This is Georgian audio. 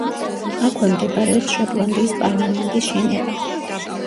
აქვე მდებარეობს შოტლანდიის პარლამენტის შენება.